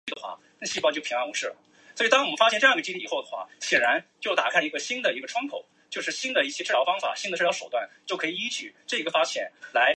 别克最开始是个独立的汽车制造商。